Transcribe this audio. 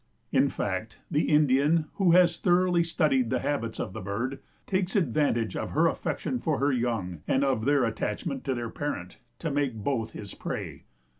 In fact the Indian, who has thoroughly studied the habits of the bird, takes advantage of her affection for her young, and of their attachment to their parent, to make both his prey.